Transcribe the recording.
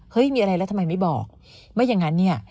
มีอะไรแล้วทำไมไม่บอกไม่อย่างนั้นเนี่ย